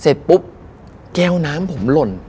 เสร็จปุ๊บแก้วน้ำผมหล่น